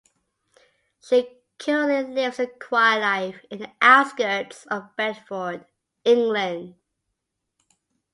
She currently lives a quiet life in the outskirts of Bedford, England.